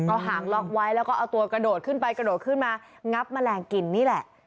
เอาหางล็อกไว้แล้วก็เอาตัวกระโดดขึ้นไปกระโดดขึ้นมางับแมลงกินนี่แหละ